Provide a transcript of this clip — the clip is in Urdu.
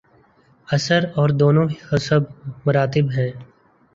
اثر اور دونوں حسب مراتب ہیں۔